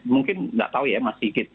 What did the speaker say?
mungkin nggak tahu ya mas sigit